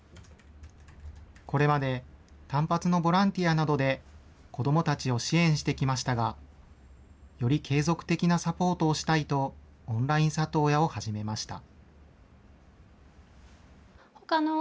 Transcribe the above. これまで単発のボランティアなどで子どもたちを支援してきましたが、より継続的なサポートをしたいと、オンライン里親を始めました。